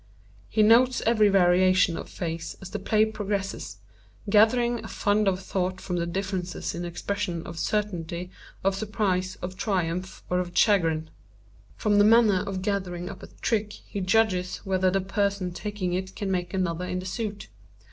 He notes every variation of face as the play progresses, gathering a fund of thought from the differences in the expression of certainty, of surprise, of triumph, or of chagrin. From the manner of gathering up a trick he judges whether the person taking it can make another in the suit.